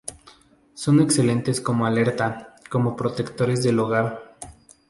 Son excelentes como alerta, como protectores del hogar.